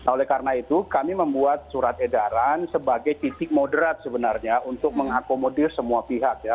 oleh karena itu kami membuat surat edaran sebagai titik moderat sebenarnya untuk mengakomodir semua pihak ya